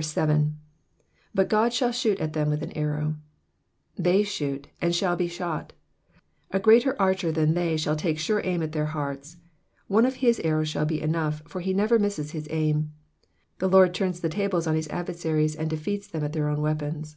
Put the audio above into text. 7. ''^But Ood shall shoot at them with an arrow.''^ They shot, and shall be shot. A great<T archer than they are shall take sure aim at their hearts. One of his arrows shall be enough, for he never misses his aim. The Lord turns the tables on his adversaries, and defeats them at their own weapons.